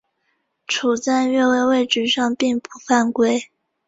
处在越位位置上并不犯规。